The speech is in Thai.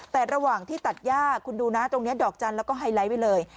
แต่ระหว่างที่ตัดย่าคุณดูนะตรงนี้ดอกจันทร์แล้วก็ไฮไลท์ไว้เลย